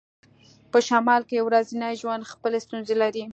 په شمال کې ورځنی ژوند خپلې ستونزې لري